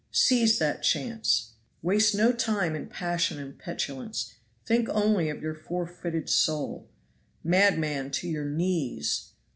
Seize that chance. Waste no time in passion and petulance think only of your forfeited soul. Madman, to your knees!